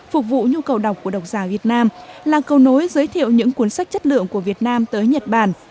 phục vụ nhu cầu đọc của đọc giả việt nam là câu nối giới thiệu những cuốn sách chất lượng của việt nam tới nhật bản